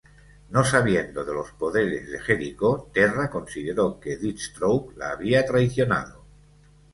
No sabiendo de los poderes de Jericó, Terra consideró que Deathstroke la había traicionado.